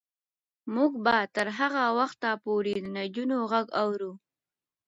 موږ به تر هغه وخته پورې د نجونو غږ اورو.